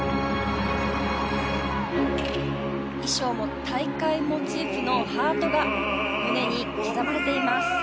衣装も大会モチーフのハートが胸に刻まれています。